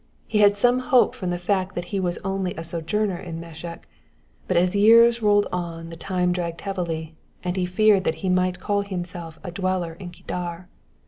He had some hope from the fact that he was only a sojourner in Mesech ; but as years rolled on the time dragged heavily, and he feared that he might call himself a dweller in Ecdar.